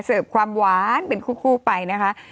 เสิร์ฟความหวานเป็นคู่ไปนะคะ